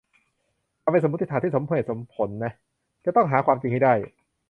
มันเป็นสมมุติฐานที่สมเหตุสมผลนะ จะต้องหาความจริงให้ได้